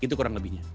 itu kurang lebihnya